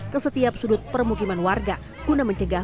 ke setiap sudut permukiman warga